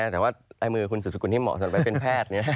แต่ว่ามือคุณสุดสกุลที่เหมาะสำหรับเป็นแพทย์